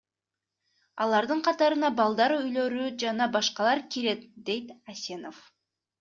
Алардын катарына балдар үйлөрү жана башкалар кирет, – дейт Асенов.